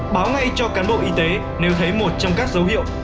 báo ngay cho cán bộ y tế nếu thấy một trong các dấu hiệu